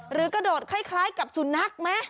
กระโดดคล้ายกับสุนัขไหม